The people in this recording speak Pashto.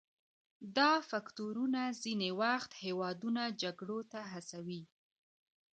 دا فکتورونه ځینې وخت هیوادونه جګړو ته هڅوي